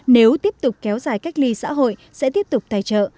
nếu tiếp tục kéo dài cách ly xã hội sẽ tiếp tục thay trợ